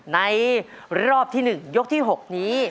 ในรอบที่หนึ่งยกที่หกนี้